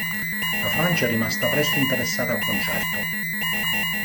La Francia è rimasta presto interessata al concetto.